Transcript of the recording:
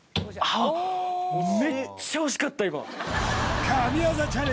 あっめっちゃ惜しかった